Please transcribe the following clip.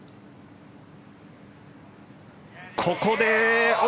ここで。